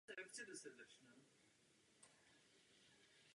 Plné tělesné vyspělosti dosahují až ve věku okolo šesti roků.